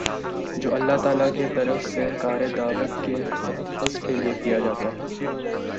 جو اللہ تعالیٰ کی طرف سے کارِ دعوت کے تحفظ کے لیے کیا جاتا ہے